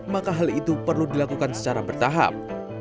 maka hal itu perlu dilakukan secara bertahap